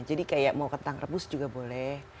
jadi kayak mau kentang rebus juga boleh